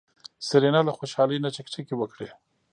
سېرېنا له خوشحالۍ نه چکچکې وکړې.